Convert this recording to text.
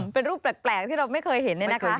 เป็นรูปแปลกที่เราไม่เคยเห็นเนี่ยนะคะ